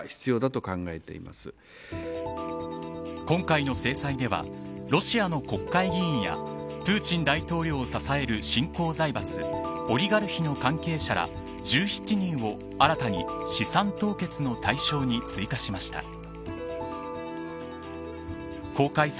今回の制裁ではロシアの国会議員やプーチン大統領を支える新興財閥オリガルヒの関係者ら１７人を新たに資産凍結の対象に追加しました。